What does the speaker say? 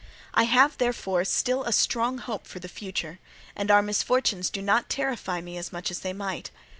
I have, therefore, still a strong hope for the future, and our misfortunes do not terrify me as much as they might.